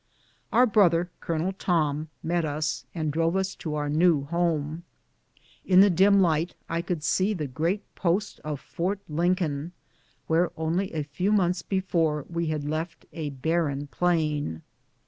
Our brother. Colonel Tom, met us, and drove us to our new home. In the dim light I could see the great post of Fort Lincoln, where only a few mouths before we had left a barren plain.